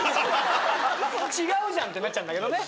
違うじゃんってなっちゃうんだけどね。